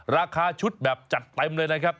ราคาชุดแบบจัดเต็มเลยนะครับ